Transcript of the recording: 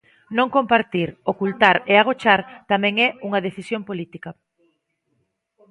Non compartir, ocultar e agochar tamén é unha decisión política.